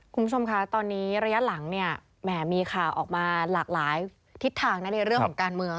คุณผู้ชมคะตอนนี้ระยะหลังเนี่ยแหมมีข่าวออกมาหลากหลายทิศทางนะในเรื่องของการเมือง